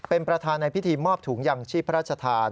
เป็นประธานในพิธีมอบถุงยังชีพพระราชทาน